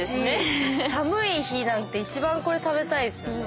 寒い日なんて一番これ食べたいですよね。